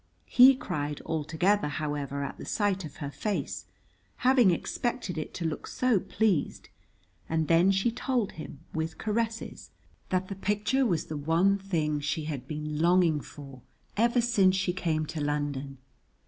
He cried altogether, however, at sight of her face, having expected it to look so pleased, and then she told him, with caresses, that the picture was the one thing she had been longing for ever since she came to London.